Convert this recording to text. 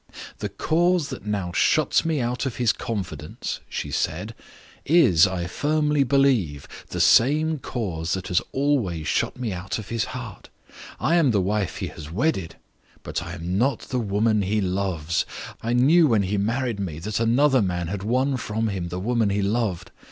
'The cause that now shuts me out of his confidence,' she said, 'is, I firmly believe, the same cause that has always shut me out of his heart. I am the wife he has wedded, but I am not the woman he loves. I knew when he married me that another man had won from him the woman he loved.